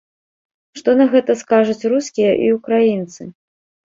Што на гэта скажуць рускія і ўкраінцы?